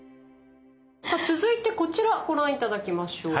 さあ続いてこちらご覧頂きましょう。